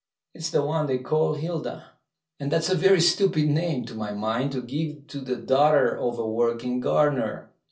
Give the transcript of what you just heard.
It's the one they call Hilda; and that's a very stupid name, to my mind, to give to the daughter of a working gardener.